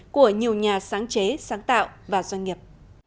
của nhiều nhà sáng chế sáng tạo và doanh nghiệp